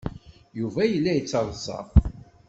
Yuba yella yettaḍsa.